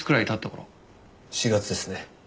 ４月ですね。